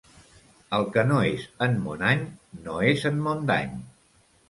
El que no és en mon any, no és en mon dany.